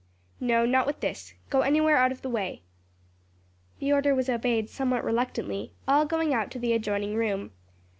"No, not with this. Go anywhere out of the way." The order was obeyed somewhat reluctantly, all going out to the adjoining room.